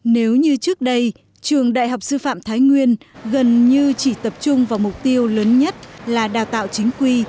nếu như trước đây trường đại học sư phạm thái nguyên gần như chỉ tập trung vào mục tiêu lớn nhất là đào tạo chính quy